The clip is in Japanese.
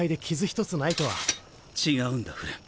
違うんだフレン。